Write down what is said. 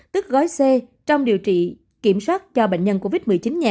tức gói c trong điều trị kiểm soát cho bệnh nhân covid